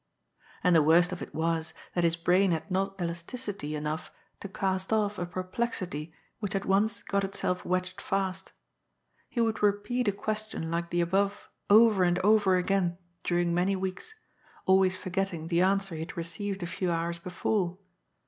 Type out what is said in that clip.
And the worst of it was that his brain had not elasticity enough to cast off a perplexity which had once got itself wedged fast. He would repeat a question like the above over and over again during many weeks, always forgetting the answer he had received a few hours before.